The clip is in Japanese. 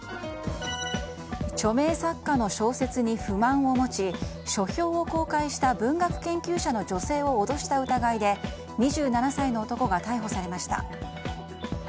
著名作家の小説に不満を持ち書評を公開した文学研究者の女性を脅した疑いで２７歳の男が逮捕されました。